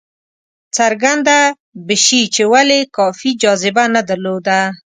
څرګنده به شي چې ولې کافي جاذبه نه درلوده.